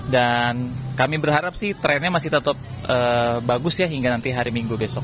dan kami berharap sih trennya masih tetap bagus ya hingga nanti hari minggu besok